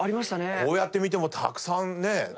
こうやって見てもたくさんね。